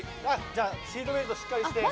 シートベルトをしっかりして。